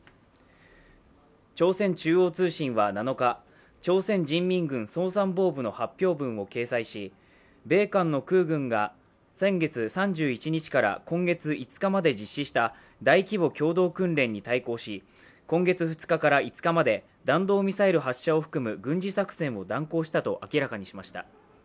朝鮮中央通信は７日、朝鮮人民軍総参謀本部の発表文を掲載し米韓の空軍が先月３１日から今月５日まで実施した大規模共同訓練に対抗し、今月２日から５日まで弾道ミサイル発射を含む軍事作戦を断行したと明らかにしました。